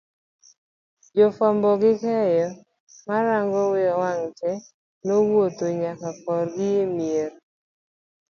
jofuambo gi keyo mag rang'ong wang' te nowuodho nyakakorgiemier